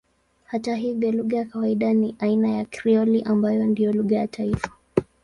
Hata hivyo lugha ya kawaida ni aina ya Krioli ambayo ndiyo lugha ya taifa.